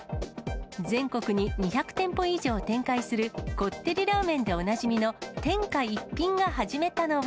全国に２００店舗以上展開するこってりラーメンでおなじみの天下一品が始めたのは。